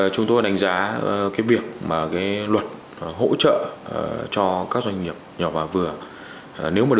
chúng tôi đánh giá việc luật hỗ trợ cho các doanh nghiệp nhỏ và vừa